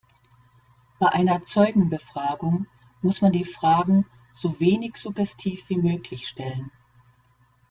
Bei einer Zeugenbefragung muss man die Fragen so wenig suggestiv wie möglich stellen.